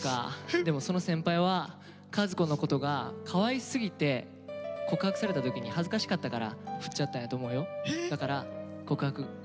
でもその先輩は和子のことがかわいすぎて告白された時に恥ずかしかったからフッちゃったんやと思うよ。